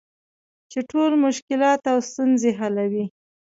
چې ټول مشکلات او ستونزې حلوي .